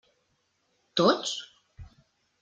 Tots?